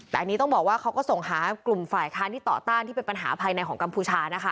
แต่อันนี้ต้องบอกว่าเขาก็ส่งหากลุ่มฝ่ายค้านที่ต่อต้านที่เป็นปัญหาภายในของกัมพูชานะคะ